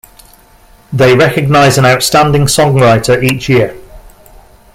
They recognize an outstanding songwriter each year.